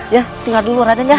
ya tinggal dulu raden ya